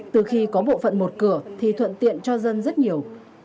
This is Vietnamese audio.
từ khi có bộ phận một cửa thì thuận tiện cho dân rất nhiều